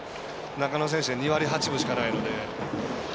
中野選手が２割８分しかないので。